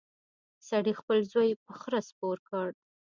سړي خپل زوی په خره سپور کړ.